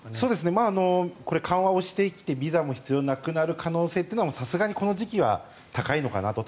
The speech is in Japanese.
緩和してきてビザも必要なくなる可能性はさすがにこの時期は高いのかなと。